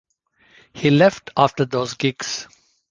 He left after those gigs.